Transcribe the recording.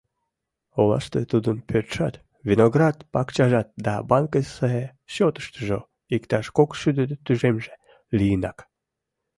Олаште тудын пӧртшат, виноград пакчажат да банкысе счётыштыжо иктаж кок шӱдӧ тӱжемже лийынак.